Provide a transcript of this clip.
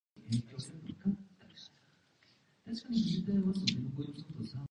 何か問われたのは分かったが、聞き取れなかった。